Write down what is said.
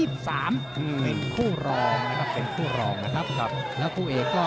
เป็นคู่รองนะครับแล้วคู่เอกก็